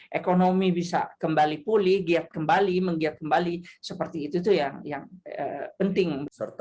ekonomi bisa kembali pulih giat kembali menggiat kembali seperti itu itu yang penting